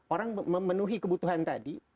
orang memenuhi kebutuhan tadi